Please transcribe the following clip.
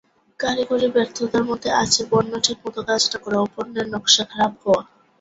কারিগরি ব্যর্থতার মধ্যে আছে পণ্য ঠিকমত কাজ না করা ও পণ্যের নকশা খারাপ হওয়া।